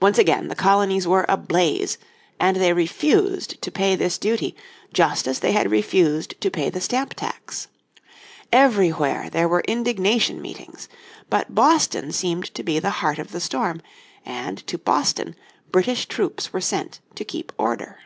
Once again the colonies were ablaze, and they refused to pay this duty just as they had refused to pay the Stamp Tax. Everywhere there were indignation meetings. But Boston seemed to be the heart of the storm, and to Boston British troops were sent to keep order.